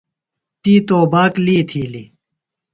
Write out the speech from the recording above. تی توباک لی تِھیلیۡ۔